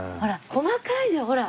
細かいよほら。